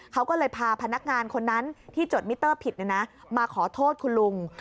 เขาก็เลยพาพนักงานคนนั้นที่จดมิเตอร์ผิดมาขอโทษคุณลุง